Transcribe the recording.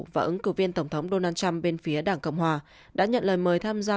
và ứng cử viên tổng thống donald trump bên phía đảng cộng hòa đã nhận lời mời tham gia